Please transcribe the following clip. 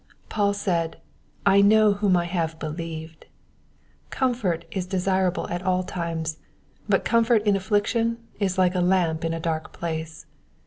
Paul said, I know whom I have believed." Comfort is desirable at all times ; but comfort in affliction is like a lamf) in a dark place.